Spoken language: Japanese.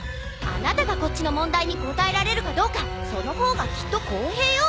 あなたがこっちの問題に答えられるかどうかその方がきっと公平よ！